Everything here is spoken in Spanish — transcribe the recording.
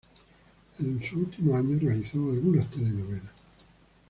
En sus últimos años realizó algunas telenovelas.